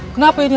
kenapa ini raden